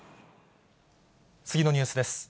次のニュースです。